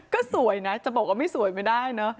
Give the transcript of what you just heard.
ก็สวยนะจะบอกว่าไม่สวยไม่ได้เนอะ